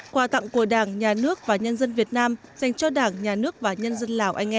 quà tặng của đảng nhà nước và nhân dân việt nam dành cho đảng nhà nước và nhân dân lào anh em